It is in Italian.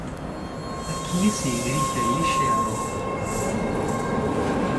A chi si riferisce allora?